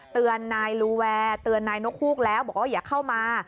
เตือนนายลูแวร์เตือนนายนกฮูกแล้วบอกว่าอย่าเข้ามา